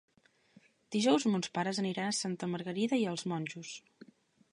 Dijous mons pares aniran a Santa Margarida i els Monjos.